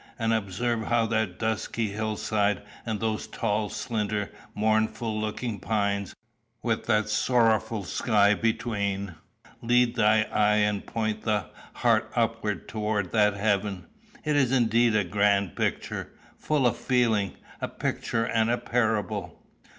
And observe how that dusky hill side, and those tall slender mournful looking pines, with that sorrowful sky between, lead the eye and point the heart upward towards that heaven. It is indeed a grand picture, full of feeling a picture and a parable."